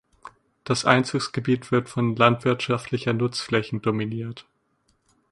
Das Einzugsgebiet wird von landwirtschaftlicher Nutzflächen dominiert.